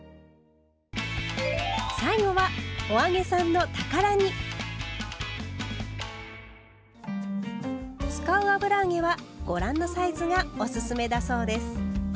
最後は使う油揚げはご覧のサイズがおすすめだそうです。